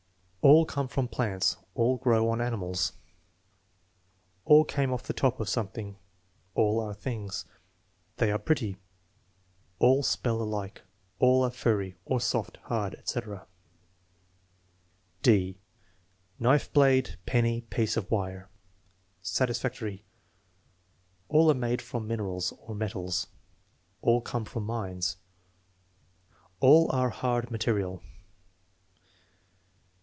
"All come from plants." "All grow on animals." "All came off the top of something." "All are things." "They are pretty." "All spell alike." "All are furry" (or soft, hard, etc.). (d) Knife blade, penny, piece of wire Satisfactory. "All are made from minerals" (or metals). "All come from mines." "All are hard material."